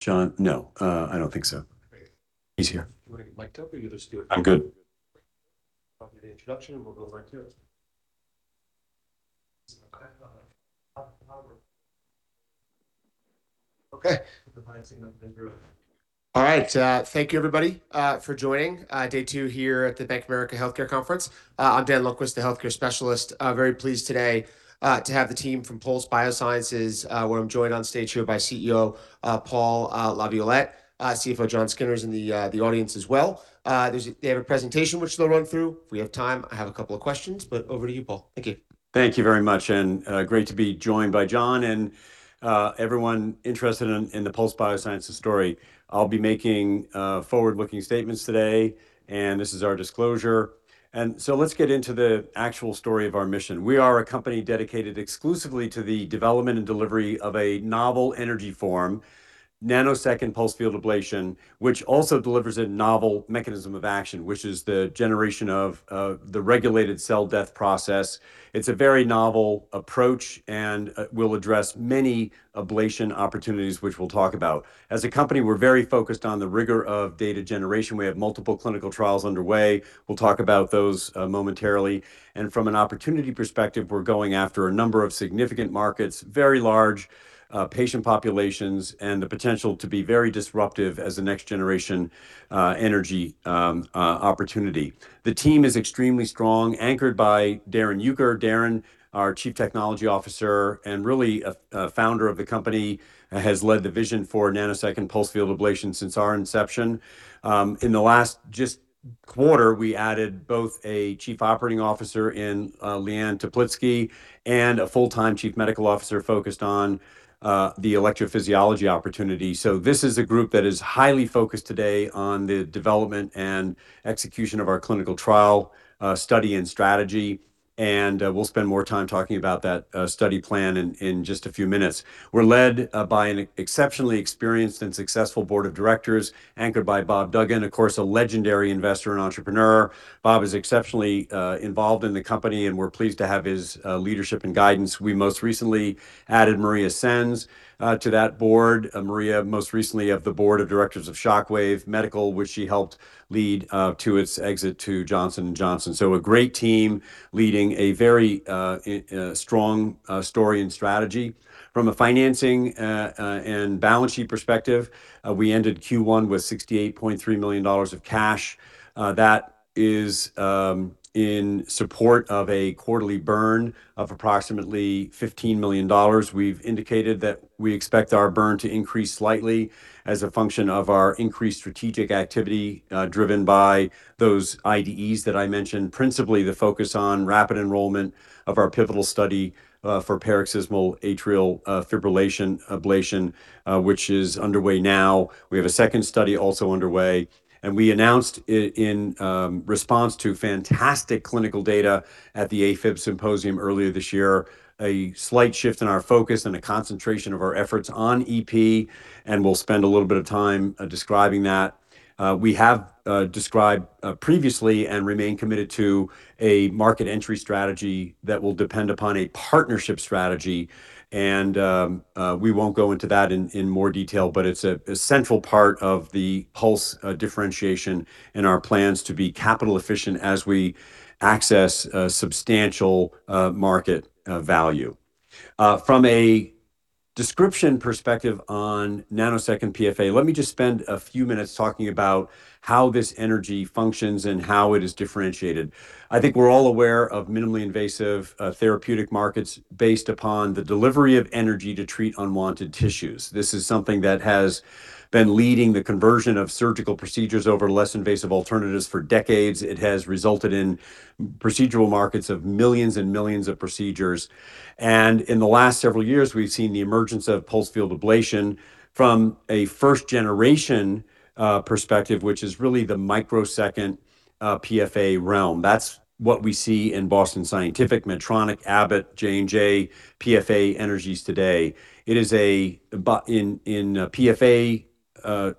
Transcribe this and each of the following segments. Jon. No, I don't think so. Great. He's here. Do you wanna get mic'd up or you just do it? I'm good. I'll do the introduction, and we'll go right to it. Okay. Okay. The financing of the group. All right. Thank you, everybody, for joining day two here at the Bank of America Healthcare Conference. I'm Dan Lundquist, the healthcare specialist. Very pleased today to have the team from Pulse Biosciences, where I'm joined on stage here by CEO Paul LaViolette. CFO Jon Skinner is in the audience as well. They have a presentation which they'll run through. If we have time, I have a couple of questions, but over to you, Paul. Thank you. Thank you very much, great to be joined by Jon and everyone interested in the Pulse Biosciences story. I'll be making forward-looking statements today, this is our disclosure. Let's get into the actual story of our mission. We are a company dedicated exclusively to the development and delivery of a novel energy form, Nanosecond Pulsed Field Ablation, which also delivers a novel mechanism of action, which is the generation of the regulated cell death process. It's a very novel approach, we'll address many ablation opportunities, which we'll talk about. As a company, we're very focused on the rigor of data generation. We have multiple clinical trials underway. We'll talk about those momentarily. From an opportunity perspective, we're going after a number of significant markets, very large patient populations, and the potential to be very disruptive as a next generation energy opportunity. The team is extremely strong, anchored by Darrin Uecker. Darrin, our Chief Technology Officer, and really a founder of the company, has led the vision for Nanosecond Pulsed Field Ablation since our inception. In the last just quarter, we added both a Chief Operating Officer in Liane Teplitsky and a full-time Chief Medical Officer focused on the electrophysiology opportunity. This is a group that is highly focused today on the development and execution of our clinical trial study and strategy, and we'll spend more time talking about that study plan in just a few minutes. We're led by an exceptionally experienced and successful board of directors, anchored by Bob Duggan, of course, a legendary investor and entrepreneur. Bob is exceptionally involved in the company, and we're pleased to have his leadership and guidance. We most recently added Maria Sainz to that board. Maria, most recently of the board of directors of Shockwave Medical, which she helped lead to its exit to Johnson & Johnson. A great team leading a very strong story and strategy. From a financing and balance sheet perspective, we ended Q1 with $68.3 million of cash. That is in support of a quarterly burn of approximately $15 million. We've indicated that we expect our burn to increase slightly as a function of our increased strategic activity, driven by those IDEs that I mentioned, principally the focus on rapid enrollment of our pivotal study for paroxysmal atrial fibrillation ablation, which is underway now. We have a second study also underway, and we announced in response to fantastic clinical data at the AFib Symposium earlier this year, a slight shift in our focus and a concentration of our efforts on EP, and we'll spend a little bit of time describing that. We have described previously and remain committed to a market entry strategy that will depend upon a partnership strategy and we won't go into that in more detail, but it's a central part of the Pulse differentiation and our plans to be capital-efficient as we access substantial market value. From a description perspective on nanosecond PFA, let me just spend a few minutes talking about how this energy functions and how it is differentiated. I think we're all aware of minimally invasive therapeutic markets based upon the delivery of energy to treat unwanted tissues. This is something that has been leading the conversion of surgical procedures over less invasive alternatives for decades. It has resulted in procedural markets of millions and millions of procedures. In the last several years, we've seen the emergence of Pulsed Field Ablation from a first-generation perspective, which is really the microsecond PFA realm. That's what we see in Boston Scientific, Medtronic, Abbott, J&J PFA energies today. In PFA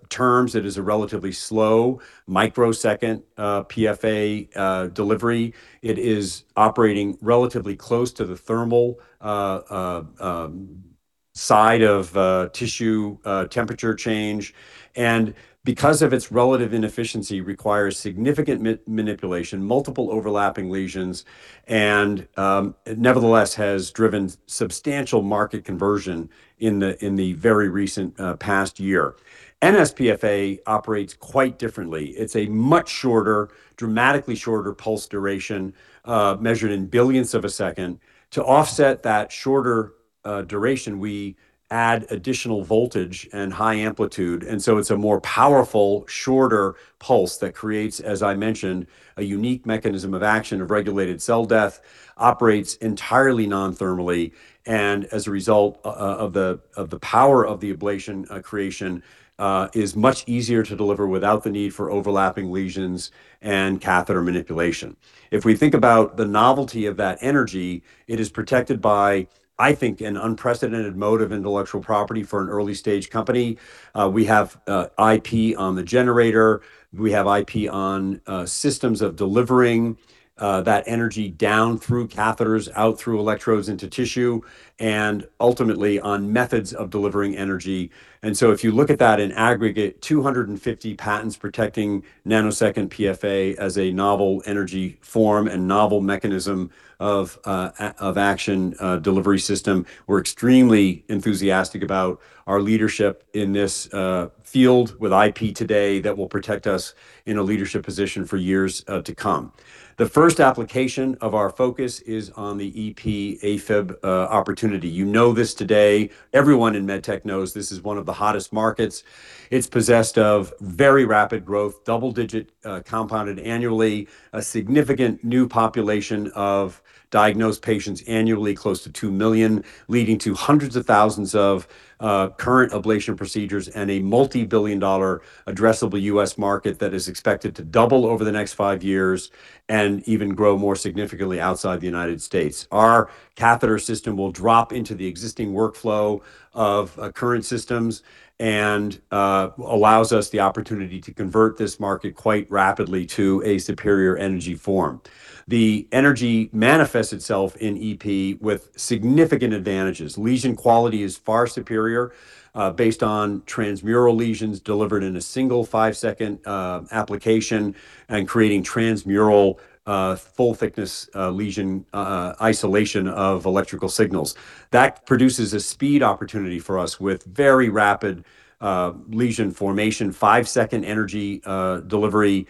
terms, it is a relatively slow microsecond PFA delivery. It is operating relatively close to the thermal side of tissue temperature change. Because of its relative inefficiency, requires significant manipulation, multiple overlapping lesions, and it nevertheless has driven substantial market conversion in the very recent past year. nsPFA operates quite differently. It's a much shorter, dramatically shorter pulse duration, measured in billionths of a second. To offset that shorter duration, we add additional voltage and high amplitude. It's a more powerful, shorter pulse that creates, as I mentioned, a unique mechanism of action of regulated cell death, operates entirely non-thermally, and as a result of the power of the ablation creation is much easier to deliver without the need for overlapping lesions and catheter manipulation. If we think about the novelty of that energy, it is protected by, I think, an unprecedented mode of intellectual property for an early-stage company. We have IP on the generator. We have IP on systems of delivering that energy down through catheters, out through electrodes into tissue. Ultimately on methods of delivering energy. If you look at that in aggregate, 250 patents protecting nanosecond PFA as a novel energy form and novel mechanism of action, delivery system. We're extremely enthusiastic about our leadership in this field with IP today that will protect us in a leadership position for years to come. The first application of our focus is on the EP AFib opportunity. You know this today. Everyone in med tech knows this is one of the hottest markets. It's possessed of very rapid growth, double-digit compounded annually, a significant new population of diagnosed patients annually, close to 2 million, leading to hundreds of thousands of current ablation procedures and a multi-billion dollar addressable U.S. market that is expected to double over the next five years and even grow more significantly outside the United States. Our catheter system will drop into the existing workflow of current systems and allows us the opportunity to convert this market quite rapidly to a superior energy form. The energy manifests itself in EP with significant advantages. Lesion quality is far superior, based on transmural lesions delivered in a single 5-second application and creating transmural, full thickness, lesion, isolation of electrical signals. That produces a speed opportunity for us with very rapid lesion formation, 5-second energy delivery,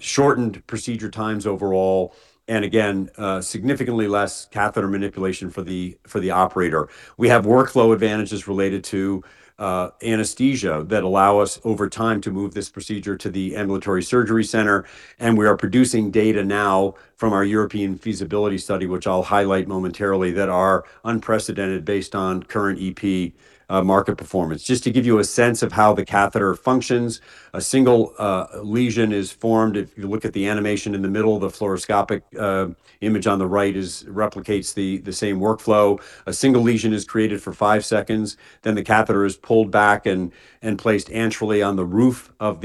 shortened procedure times overall, and again, significantly less catheter manipulation for the operator. We have workflow advantages related to anesthesia that allow us over time to move this procedure to the ambulatory surgery center. We are producing data now from our European feasibility study, which I'll highlight momentarily, that are unprecedented based on current EP market performance. Just to give you a sense of how the catheter functions, a single lesion is formed. If you look at the animation in the middle, the fluoroscopic image on the right replicates the same workflow. A single lesion is created for five seconds, then the catheter is pulled back and placed antrally on the roof of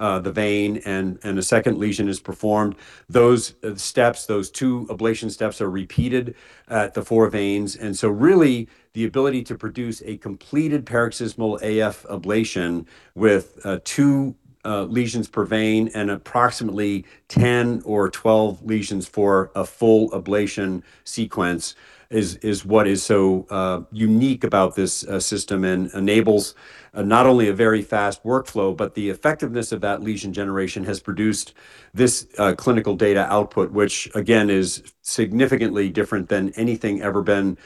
the vein and a second lesion is performed. Those steps, those two ablation steps are repeated at the four veins. Really the ability to produce a completed paroxysmal AF ablation with two lesions per vein and approximately 10 or 12 lesions for a full ablation sequence is what is so unique about this system and enables not only a very fast workflow, but the effectiveness of that lesion generation has produced this clinical data output, which again, is significantly different than anything ever been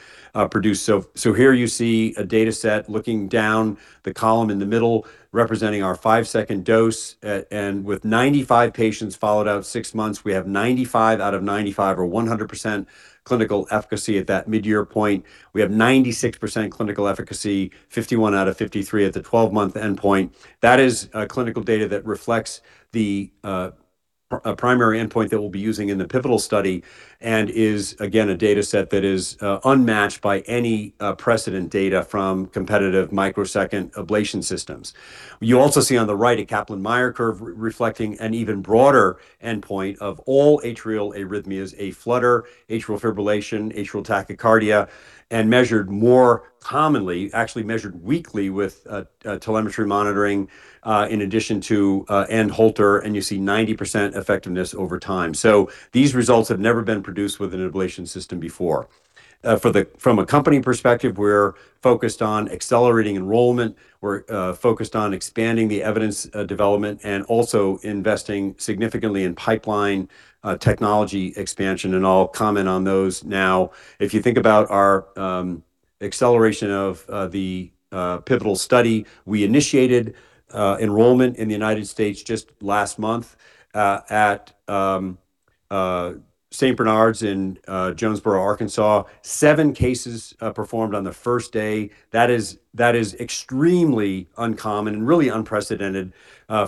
produced. Here you see a data set looking down the column in the middle representing our five second dose. And with 95 patients followed out six months, we have 95% out of 95% or 100% clinical efficacy at that mid-year point. We have 96% clinical efficacy, 51 out of 53 at the 12-month endpoint. That is clinical data that reflects a primary endpoint that we'll be using in the pivotal study and is again, a data set that is unmatched by any precedent data from competitive microsecond ablation systems. You also see on the right a Kaplan-Meier curve reflecting an even broader endpoint of all atrial arrhythmias, atrial flutter, atrial fibrillation, atrial tachycardia, and measured more commonly, actually measured weekly with a telemetry monitoring in addition to Holter. You see 90% effectiveness over time. These results have never been produced with an ablation system before. From a company perspective, we're focused on accelerating enrollment. We're focused on expanding the evidence development and also investing significantly in pipeline technology expansion. I'll comment on those now. If you think about our acceleration of the pivotal study, we initiated enrollment in the United States just last month at St. Bernard's in Jonesboro, Arkansas. 7 cases performed on the first day. That is extremely uncommon and really unprecedented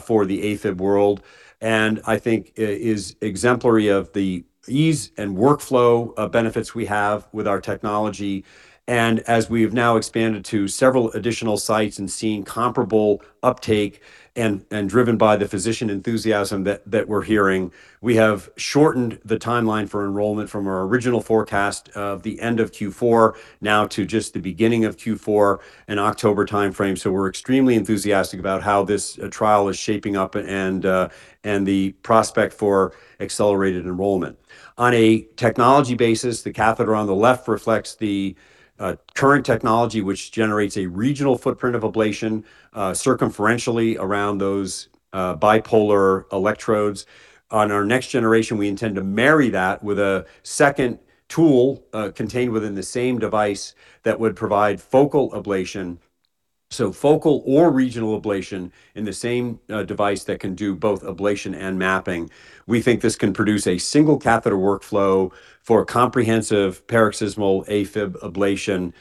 for the AFib world and I think is exemplary of the ease and workflow benefits we have with our technology. As we have now expanded to several additional sites and seen comparable uptake and driven by the physician enthusiasm that we're hearing, we have shortened the timeline for enrollment from our original forecast of the end of Q4 now to just the beginning of Q4 and October timeframe. We're extremely enthusiastic about how this trial is shaping up and the prospect for accelerated enrollment. On a technology basis, the catheter on the left reflects the current technology, which generates a regional footprint of ablation, circumferentially around those bipolar electrodes. On our next generation, we intend to marry that with a second tool, contained within the same device that would provide focal ablation, so focal or regional ablation in the same device that can do both ablation and mapping. We think this can produce a single catheter workflow for a comprehensive paroxysmal AFib ablation,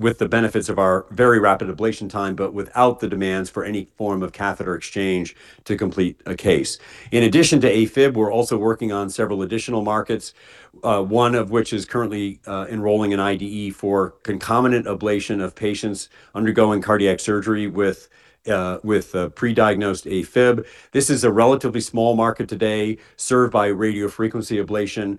with the benefits of our very rapid ablation time, but without the demands for any form of catheter exchange to complete a case. In addition to AFib, we're also working on several additional markets. One of which is currently enrolling in IDE for concomitant ablation of patients undergoing cardiac surgery with pre-diagnosed AFib. This is a relatively small market today served by radiofrequency ablation.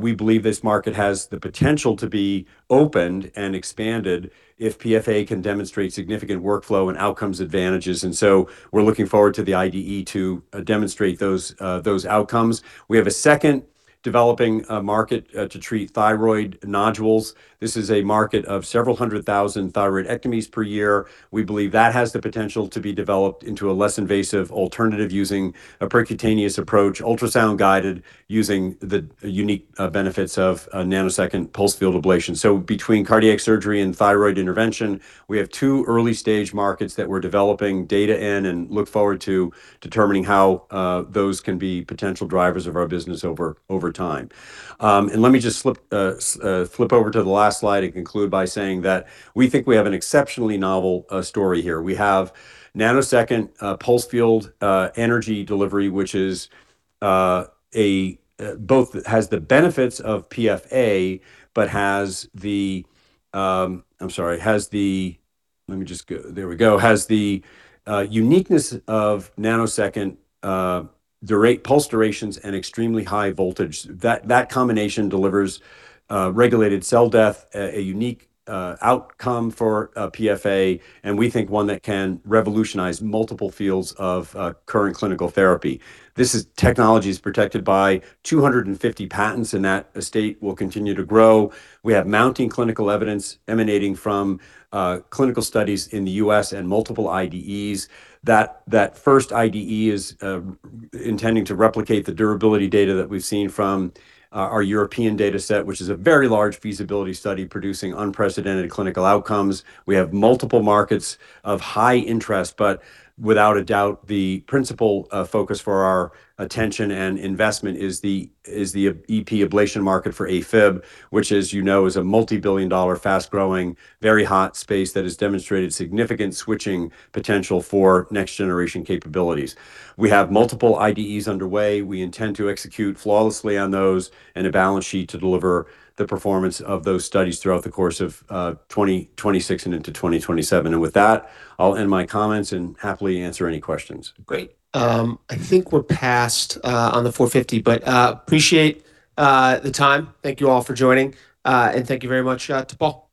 We believe this market has the potential to be opened and expanded if PFA can demonstrate significant workflow and outcomes advantages. We're looking forward to the IDE to demonstrate those outcomes. We have a second developing market to treat thyroid nodules. This is a market of several hundred thousand thyroidectomies per year. We believe that has the potential to be developed into a less invasive alternative using a percutaneous approach, ultrasound-guided, using the unique benefits of a nanosecond pulsed field ablation. Between cardiac surgery and thyroid intervention, we have two early-stage markets that we're developing data in and look forward to determining how those can be potential drivers of our business over time. Let me just flip over to the last slide and conclude by saying that we think we have an exceptionally novel story here. We have nanosecond pulsed field energy delivery, which is both has the benefits of PFA but has the uniqueness of nanosecond pulse durations and extremely high voltage. That combination delivers regulated cell death, a unique outcome for PFA, and we think one that can revolutionize multiple fields of current clinical therapy. Technology is protected by 250 patents, and that estate will continue to grow. We have mounting clinical evidence emanating from clinical studies in the U.S. and multiple IDEs. That, that first IDE is intending to replicate the durability data that we've seen from our European dataset, which is a very large feasibility study producing unprecedented clinical outcomes. We have multiple markets of high interest, but without a doubt, the principal focus for our attention and investment is the EP ablation market for AFib, which, as you know, is a multi-billion dollar, fast-growing, very hot space that has demonstrated significant switching potential for next-generation capabilities. We have multiple IDEs underway. We intend to execute flawlessly on those and a balance sheet to deliver the performance of those studies throughout the course of 2026 and into 2027. With that, I'll end my comments and happily answer any questions. Great. I think we're past on the 4:50 P.M., but appreciate the time. Thank you all for joining, and thank you very much to Paul. Thanks.